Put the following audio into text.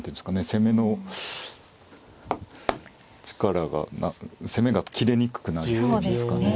攻めの力が攻めが切れにくくなるっていうんですかね。